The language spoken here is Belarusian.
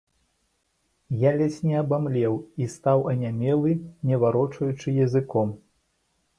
Я ледзь не абамлеў і стаяў анямелы, не варочаючы языком.